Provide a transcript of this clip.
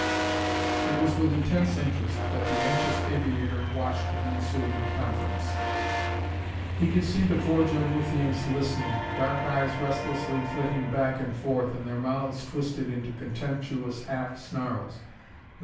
It was with intense interest that the anxious aviator watched the ensuing conference. He could see the four Jarmuthians listening, dark eyes restlessly flitting back and forth, and their mouths twisted into contemptuous half snarls.